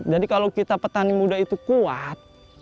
jadi kalau kita petani muda itu kuat